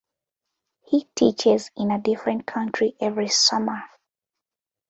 He teaches in a different country every summer.